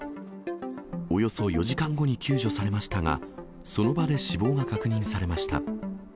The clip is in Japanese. およそ４時間後に救助されましたが、その場で死亡が確認されました。